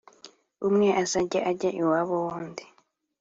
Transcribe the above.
umwe azajya ajya iwabo w'undi,